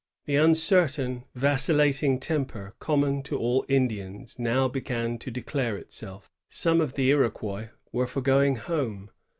The uncertain, vacillating temper common to all Indians now began to declare itself. Some of the Iroquois were for going home.